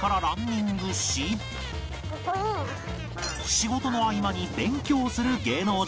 仕事の合間に勉強する芸能人